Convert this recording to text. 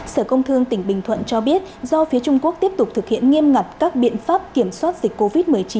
sở công thương tỉnh bình thuận cho biết do phía trung quốc tiếp tục thực hiện nghiêm ngặt các biện pháp kiểm soát dịch covid một mươi chín